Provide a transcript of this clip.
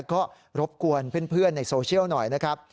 ก็รบกวนเพื่อนในโซเชียลหน่อยนะครับ